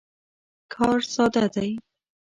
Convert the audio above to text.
کار ساده دی.